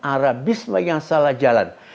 arabisme yang salah jalan